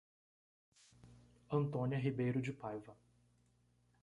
Antônia Ribeiro de Paiva